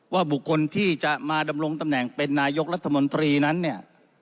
บุคคลที่จะมาดำรงตำแหน่งเป็นนายกรัฐมนตรีนั้นเนี่ย